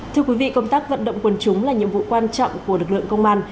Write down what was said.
thưa quý vị công tác vận động quân chúng là nhiệm vụ quan trọng của lực lượng công an